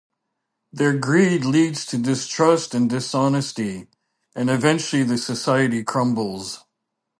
Their greed leads to distrust and dishonesty, and eventually the society crumbles.